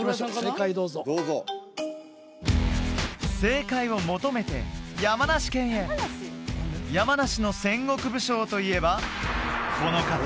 正解どうぞどうぞ正解を求めて山梨県へ山梨の戦国武将といえばこの方